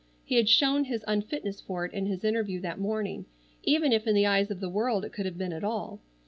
He had shown his unfitness for it in his interview that morning, even if in the eyes of the world it could have been at all.